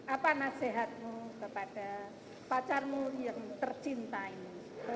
apa nasihatmu kepada pacarmu yang tercinta ini